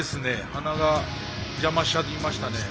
鼻が邪魔しちゃいましたね。